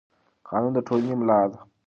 قانون د ټولنې ملا ده